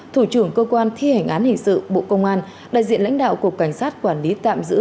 thủ trưởng cơ quan thi hành án hình sự bộ công an đại diện lãnh đạo cục cảnh sát quản lý tạm giữ